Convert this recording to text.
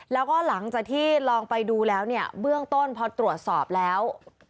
แล้วก็หลังจากที่ลองไปดูแล้วเนี่ยเบื้องต้นพอตรวจสอบแล้ว